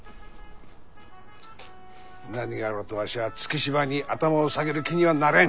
何があろうとわしは月柴に頭を下げる気にはなれん。